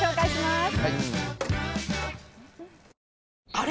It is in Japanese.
あれ？